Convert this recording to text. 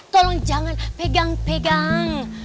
tolong jangan pegang pegang